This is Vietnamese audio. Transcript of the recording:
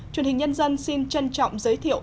chuyển hình nhân dân xin trân trọng giới thiệu